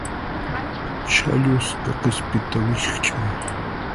Chhallusqa qispita wikch'uy.